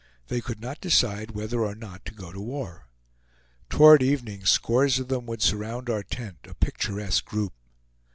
They could not decide whether or not to go to war. Toward evening, scores of them would surround our tent, a picturesque group.